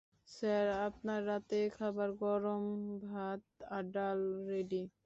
Sir, আপনার রাতের খাবার গরম ভাত আর ডাল রেডি।